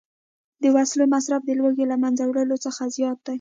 د وسلو مصرف د لوږې له منځه وړلو څخه زیات دی